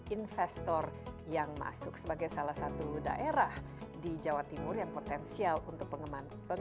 investor yang masuk sebagai salah satu daerah di jawa timur yang potensial untuk pengembangan